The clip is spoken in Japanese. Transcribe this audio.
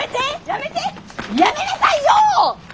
やめなさいよ！